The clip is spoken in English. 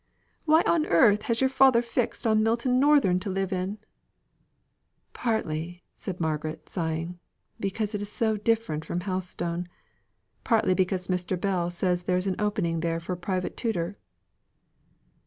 "Why on earth has your father fixed on Milton Northern to live in?" "Partly," said Margaret, sighing, "because it is so very different from Helstone partly because Mr. Bell says there is an opening there for a private tutor."